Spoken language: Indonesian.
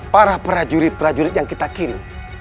para prajurit prajurit yang kita kirim